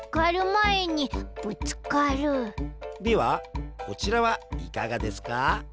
ではこちらはいかがですか？